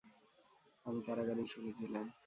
আমি কারাগারেই সুখী ছিলাম।